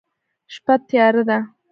شپه تیاره ده